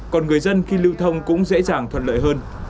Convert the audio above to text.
còn người dân khi lưu thông cũng dễ dàng thuận lợi hơn